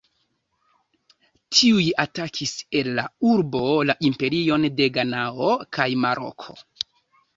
Tiuj atakis el la urbo la imperion de Ganao kaj Maroko.